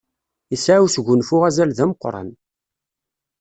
Yesɛa usgunfu azal d ameqqṛan.